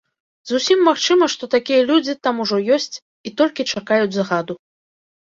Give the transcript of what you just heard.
Зусім магчыма, што такія людзі там ужо ёсць і толькі чакаюць загаду.